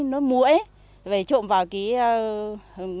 nó mũi phải trộn vào cái